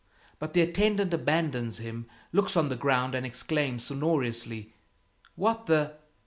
But the attendant abandons him, looks on the ground and exclaims sonorously, "What the